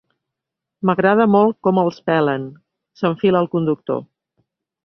M'agrada molt com els pelen —s'enfila el conductor—.